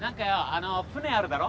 あの船あるだろ